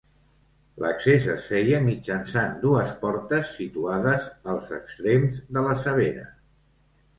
L’accés es feia mitjançant dues portes situades als extrems de la cebera.